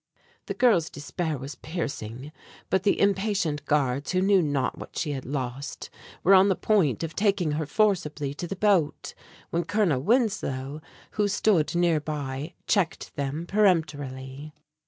The girl's despair was piercing; but the impatient guards, who knew not what she had lost, were on the point of taking her forcibly to the boat, when Colonel Winslow, who stood near by, checked them peremptorily.